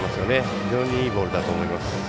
非常にいい内容だと思います。